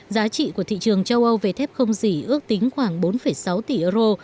giá trị của thị trường châu âu về thép không dỉ ước tính khoảng bốn sáu tỷ euro